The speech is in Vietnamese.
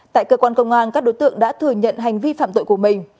tại cơ quan công an các đối tượng đã thừa nhận hành vi phạm tội của mình